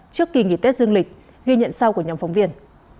trước kỳ nghỉ tết dương lịch ghi nhận sau của nhóm phóng viên